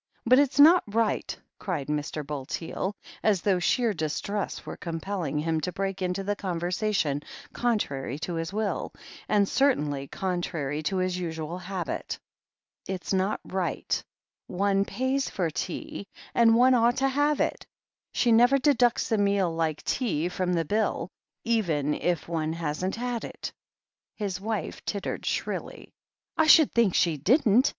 'But it's not right," cried Mr. Bulteel, as though sheer distress were compelling him to break into the conversation contrary to his will, and certainly con trary to his usual habit. "It's not right One pays for tea, and one ought to "] THE HEEL OF ACHILLES 147 have it. She never deducts a meal like tea from the bill, even if one hasn't had it." His wife tittered shrilly. "I should think she didn't